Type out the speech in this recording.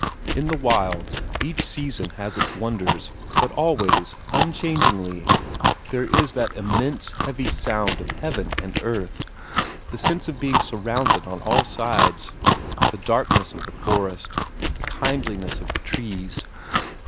In the wilds, each season has its wonders, but always, unchangingly, there is that immense heavy sound of heaven and earth, the sense of being surrounded on all sides, the darkness of the forest, the kindliness of the trees.